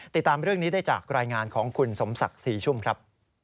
ติดตามเรื่องนี้ได้จากรายงานของคุณสมศักดิ์ศรีชุ่มครับ